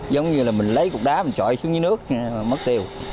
giống như là mình lấy cục đá mình trọi xuống dưới nước mất tiêu